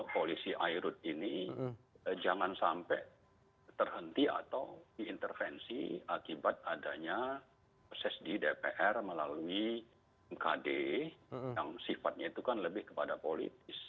polisi airut ini jangan sampai terhenti atau diintervensi akibat adanya proses di dpr melalui mkd yang sifatnya itu kan lebih kepada politis